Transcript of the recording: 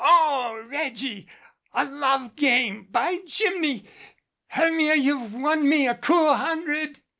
O Reggie! A love game, by Jiminy! Hermia, you've won me a cool hun dred."